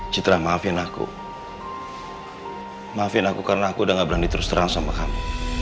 citra maafin aku maafin aku karena aku udah gak berani terus terang sama kami